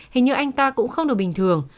hình như anh ta cũng không được bình thường